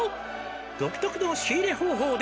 「独特の仕入れ方法で」